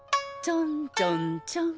ちょんちょんちょん。